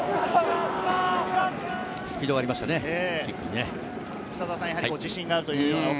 スピードがありましたね、キックに。